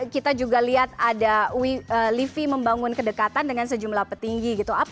kita juga lihat ada livi membangun kedekatan dengan sejumlah petinggi gitu